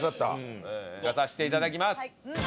じゃあさせて頂きます。